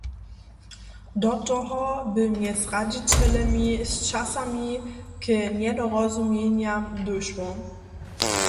Do toho bě mjez radźićelemi sčasami k njedorozumjenjam dóšło.